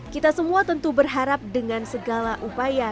kita semua tentu berharap dengan segala upaya